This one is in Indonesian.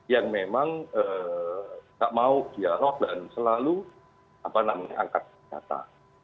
yang memang nggak mau dialog dan selalu mengangkat kata